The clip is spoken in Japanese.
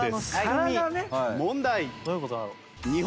問題。